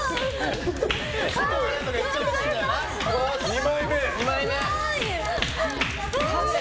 ２枚目。